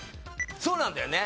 そうなんだよね。